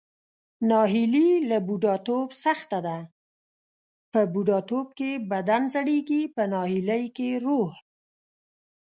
ناهیلي له بوډاتوب سخته ده، په بوډاتوب کې بدن زړیږي پۀ ناهیلۍ کې روح.